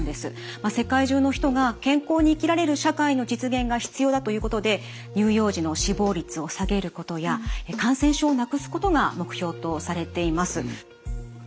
まあ世界中の人が健康に生きられる社会の実現が必要だということで乳幼児の死亡率を下げることや感染症をなくすことが目標とされています。